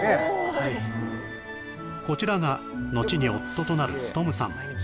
はいこちらがのちに夫となる勉さん